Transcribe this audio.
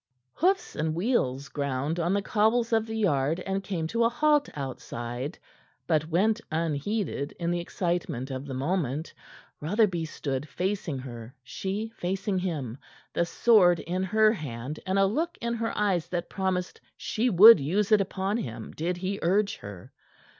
Hoofs and wheels ground on the cobbles of the yard and came to a halt outside, but went unheeded in the excitement of the moment. Rotherby stood facing her, she facing him, the sword in her hand and a look in her eyes that promised she would use it upon him did he urge her.